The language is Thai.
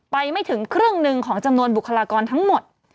ไม่ถึงครึ่งหนึ่งของจำนวนบุคลากรทั้งหมด